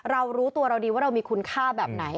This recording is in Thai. เรารู้ตัวเราดีว่าเรามีคุณค่าแบบไหน